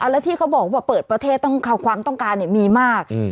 แล้วที่เขาบอกว่าเปิดประเทศความต้องการมีมาก